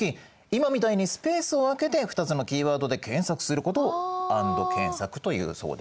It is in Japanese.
今みたいにスペースを空けて２つのキーワードで検索することをＡＮＤ検索というそうですよ。